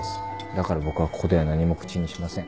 だから僕はここでは何も口にしません。